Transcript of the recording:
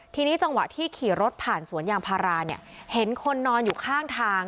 ทีนี้จังหวะที่ขี่รถผ่านสวนยางพาราเนี่ยเห็นคนนอนอยู่ข้างทาง